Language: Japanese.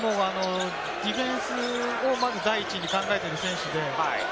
ディフェンスを第一に考えている選手で。